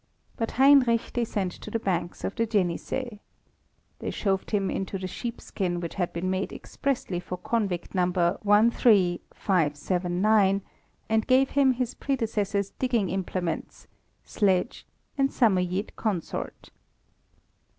But Heinrich they sent to the banks of the Jenisei. They shoved him into the sheepskin which had been made expressly for convict No. 13579, and gave him his predecessor's digging implements, sledge and Samoyede consort.